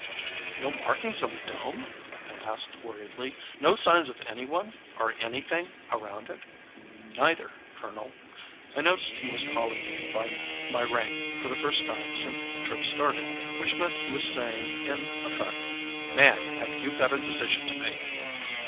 "No markings on the dome?" I asked worriedly. "No signs of anyone or anything around it?" "Neither, Colonel." I noticed he was calling me by my rank for the first time since the trip started, which meant he was saying in effect, "Man, have you got a decision to make!"